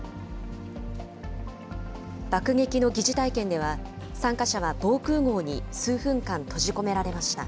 爆撃の疑似体験では、参加者は防空ごうに数分間、閉じ込められました。